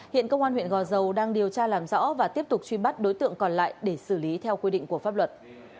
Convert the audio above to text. hiện công an huyện gò dầu đang điều tra làm rõ và tiếp tục truy bắt đối tượng còn lại để xử lý theo quy định của pháp luật